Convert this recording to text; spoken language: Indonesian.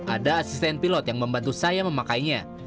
ada asisten pilot yang membantu saya memakainya